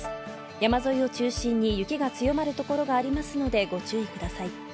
山沿いを中心に雪が強まる所がありますのでご注意ください。